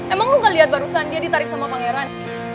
emang lo ga liat barusan dia ditarik sama pangeran